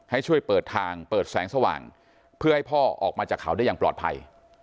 ให้ช่วยเปิดทางเปิดแสงสว่างเพื่อให้พ่อออกมาจากเขาได้อย่างปลอดภัย